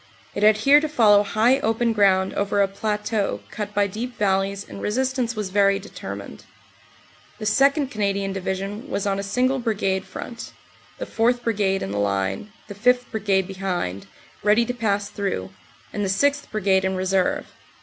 It had here to follow high open ground over a plateau cut by deep valleys and resistance was very deter mined. The 2nd. Canadian Division was on a single Brigade front, the 4th. Brigade in the line, the 5th. Brigade behind, ready to pass through, and the 6th. Brigade in reserve.